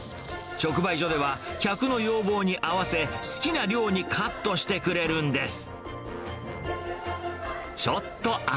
直売所では客の要望に合わせ、好きな量にカットしてくれるんです。